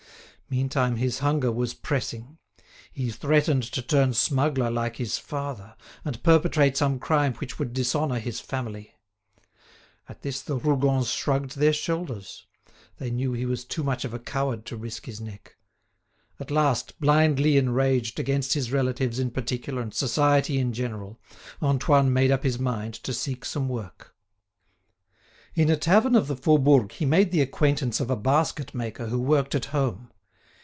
Meantime his hunger was pressing. He threatened to turn smuggler like his father, and perpetrate some crime which would dishonour his family. At this the Rougons shrugged their shoulders; they knew he was too much of a coward to risk his neck. At last, blindly enraged against his relatives in particular and society in general, Antoine made up his mind to seek some work. In a tavern of the Faubourg he made the acquaintance of a basket maker who worked at home.